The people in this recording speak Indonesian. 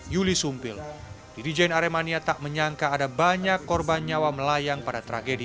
yuli sumpil didijen aremania tak menyangka ada banyak korban nyawa melayang pada tragedi